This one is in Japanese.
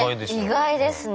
意外ですね。